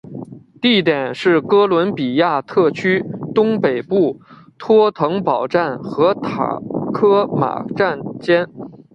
地点是哥伦比亚特区东北部托腾堡站和塔科马站间。